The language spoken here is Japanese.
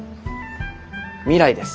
未来です。